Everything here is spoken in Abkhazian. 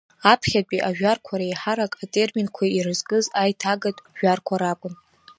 Аԥхьатәи ажәарқәа реиҳарак атерминқәа ирызкыз аиҭагатә жәарқәа ракәын.